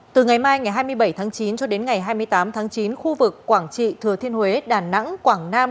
từ ngày mai ngày hai mươi bảy tháng chín cho đến ngày hai mươi tám tháng chín khu vực quảng trị thừa thiên huế đà nẵng quảng nam